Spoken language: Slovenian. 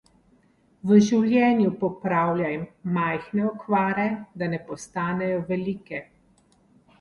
V življenju popravljaj majhne okvare, da ne postanejo velike.